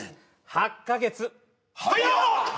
８カ月早っ！